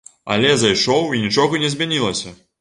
Але зайшоў, і нічога не змянілася!